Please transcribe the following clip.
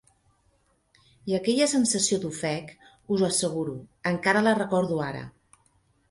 I aquella sensació d'ofec, us ho asseguro, encara la recordo ara.